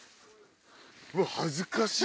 うわ恥ずかしい。